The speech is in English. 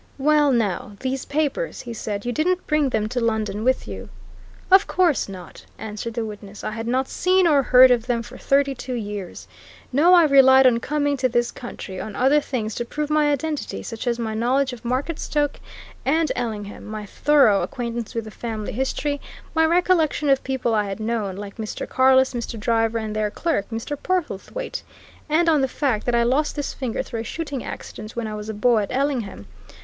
"Well, now, these papers?" he said. "You didn't bring them to London with you?" "Of course not!" answered the witness. "I had not seen or heard of them for thirty two years! No I relied, on coming to this country, on other things to prove my identity, such as my knowledge of Marketstoke and Ellingham, my thorough acquaintance with the family history, my recollection of people I had known, like Mr. Carless, Mr. Driver, and their clerk, Mr. Portlethwaite, and on the fact that I lost this finger through a shooting accident when I was a boy, at Ellingham.